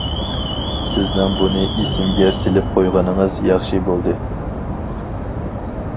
-سىزنىڭ بۇنى ئېسىمگە سېلىپ قويغىنىڭىز ياخشى بولدى.